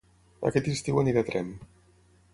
Aquest estiu aniré a Tremp